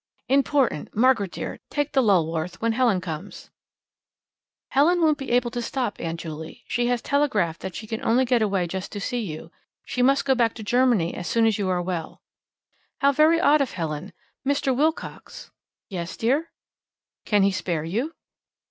"Important Margaret dear, take the Lulworth when Helen comes." "Helen won't be able to stop, Aunt Juley. She has telegraphed that she can only get away just to see you. She must go back to Germany as soon as you are well." "How very odd of Helen! Mr. Wilcox " "Yes, dear?" "Can he spare you?"